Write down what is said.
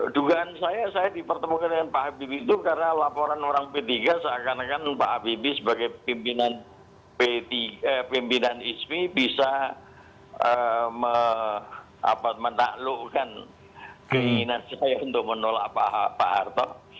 dugaan saya saya dipertemukan dengan pak habibie itu karena laporan orang p tiga seakan akan pak habibie sebagai pimpinan ismi bisa menaklukkan keinginan saya untuk menolak pak harto